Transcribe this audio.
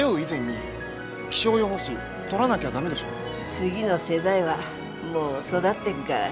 次の世代はもう育ってっがら。